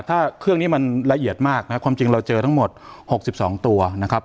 ถ้าเครื่องนี้มันละเอียดมากนะครับความจริงเราเจอทั้งหมด๖๒ตัวนะครับ